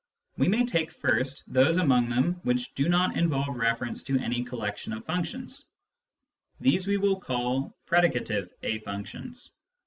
We may take first those among them which do not involve reference to any collection of functions ; these we will call " predicative ^ functions."